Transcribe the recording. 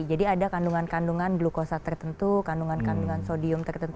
jadi ada kandungan kandungan glukosa tertentu kandungan kandungan sodium tertentu